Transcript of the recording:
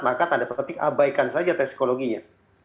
maka tanda petik abaikan saja tes psikologinya